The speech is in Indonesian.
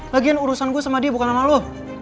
lagian urusan gue sama dia bukan sama lo